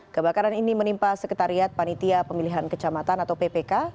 kebakaran ini menimpa sekretariat panitia pemilihan kecamatan atau ppk